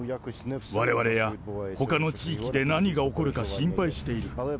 われわれやほかの地域で何が起こるか心配している。